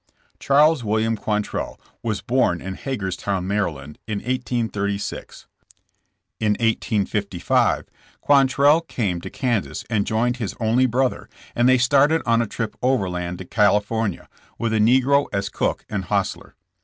Charles William Quantrell was born in Hagers town, Md., in 1836. In 1855 Quantrell came to Kan sas and joined his only brother and they /started on a trip overland to California, with a negro as cook and hostler.